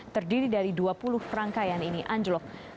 terdiri dari dua puluh rangkaian ini anjlok